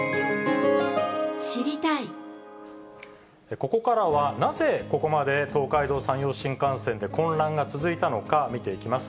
ここからはなぜ、ここまで東海道・山陽新幹線で混乱が続いたのか、見ていきます。